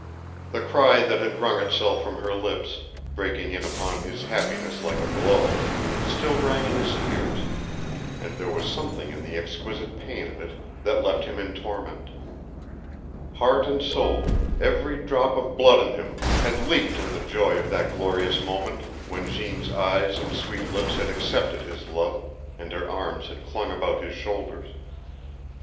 The cry that had wrung itself from her lips, breaking in upon his happiness like a blow, still rang in his ears, and there was something in the exquisite pain of it that left him in torment. Heart and soul, every drop of blood in him, had leaped in the joy of that glorious moment, when Jeanne's eyes and sweet lips had accepted his love, and her arms had clung about his shoulders.